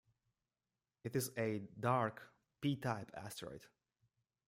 It is a dark P-type asteroid.